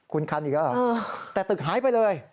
คุณคันอีกแล้วเหรอแต่ตึกหายไปเลย